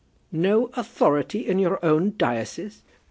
"No authority in your own diocese!"